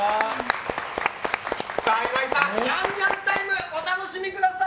岩井さん、ニャンニャンタイムお楽しみください！